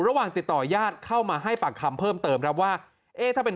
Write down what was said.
ระหว่างติดต่อยาดเข้ามาให้ปากคำเพิ่มเติมครับว่าเอ๊ะถ้าเป็น